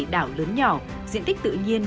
đảo lớn nhỏ diện tích tự nhiên